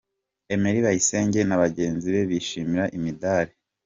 Emery Bayisenge na bagenzi be bishimira imidari.